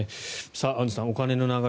アンジュさん、お金の流れ